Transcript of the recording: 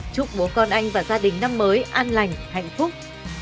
chúc bố con anh và gia đình năm mới an lành hạnh phúc